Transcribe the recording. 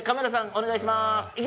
お願いします。